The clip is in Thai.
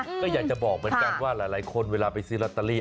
ก็อยากจะบอกเหมือนกันว่าหลายคนเวลาไปซื้อลอตเตอรี่